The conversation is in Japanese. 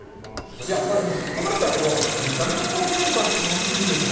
いや、もう、これ、知ってましたけど、めちゃめちゃとろける感じのおいしいお肉ですね。